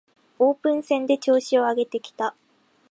オープン戦で調子を上げてきた